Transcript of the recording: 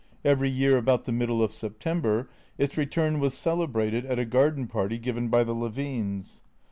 Every year, about the middle of September, its return was celebrated at a garden party given by the Levines.